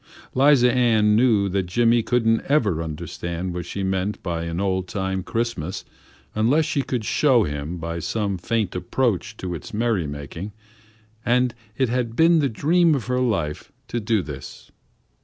'Liza Ann knew that Jimmy couldn't ever understand what she meant by an old time Christmas unless she could show him by some faint approach to its merrymaking, and it had been the dream of her life to do this.